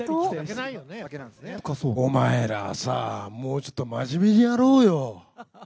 お前らさ、もうちょっと真面目にやろうよ。